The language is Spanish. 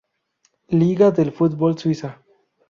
Liga del fútbol suiza.